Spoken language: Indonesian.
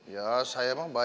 ya saya memang baik